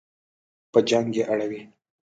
په جنګ یې اړوي.